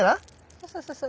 そうそうそうそう。